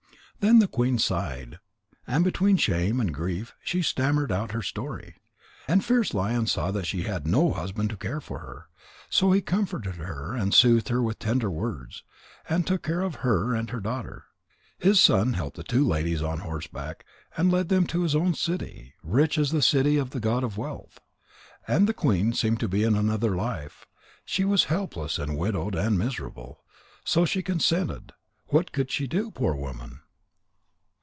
Then the queen sighed, and between shame and grief she stammered out her story. And Fierce lion saw that she had no husband to care for her. So he comforted her and soothed her with tender words, and took care of her and her daughter. His son helped the two ladies on horseback and led them to his own city, rich as the city of the god of wealth. And the queen seemed to be in another life. She was helpless and widowed and miserable. So she consented. What could she do, poor woman?